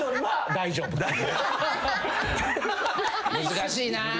難しいな。